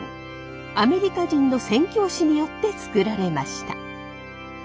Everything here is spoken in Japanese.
アメリカ人の宣教師によって作られました。